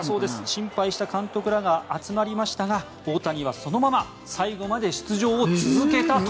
心配した監督らが集まりましたが、大谷はそのまま最後まで出場を続けたと。